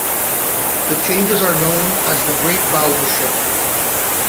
The changes are known as the Great Vowel Shift.